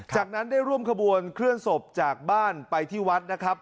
จากนั้นได้ร่วมขบวนเคลื่อนศพจากบ้านไปที่วัดนะครับ